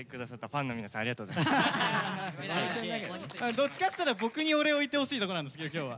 どっちかっつったら僕にお礼を言ってほしいとこなんですけど今日は。